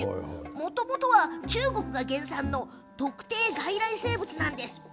もともとは中国が原産の特定外来生物なんです。